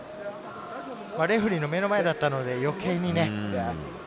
レフェリーの目の前だったので、余計にね。